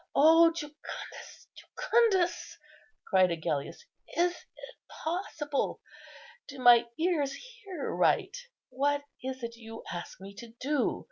O Jucundus, Jucundus!" cried Agellius, "is it possible? do my ears hear right? What is it you ask me to do?"